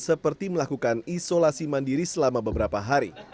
seperti melakukan isolasi mandiri selama beberapa hari